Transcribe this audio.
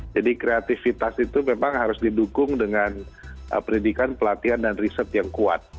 jadi kreatifitas itu memang harus didukung dengan pendidikan pelatihan dan riset yang kuat